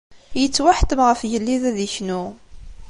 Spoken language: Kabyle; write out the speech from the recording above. Yettwaḥettem Ɣef Ugellid ad yeknu.